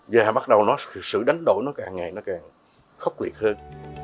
và bắt đầu sự đánh đổi nó càng ngày càng khốc liệt hơn